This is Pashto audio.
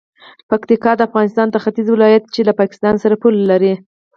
پکتیکا د افغانستان د ختیځ ولایت دی چې له پاکستان سره پوله لري.